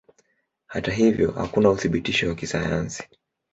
Hata hivyo hakuna uthibitisho wa kisayansi.